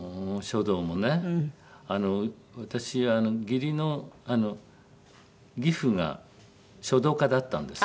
私義理の義父が書道家だったんです。